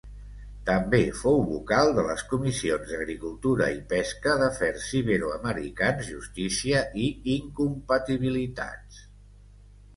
També fou vocal de les comissions d'Agricultura i Pesca, d'Afers Iberoamericans, Justícia i Incompatibilitats.